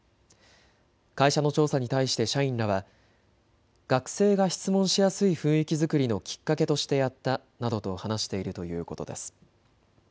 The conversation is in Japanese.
会社の調査に対して社員らは学生が質問しやすい雰囲気作りのきっかけとしてやったなどと話しているということです。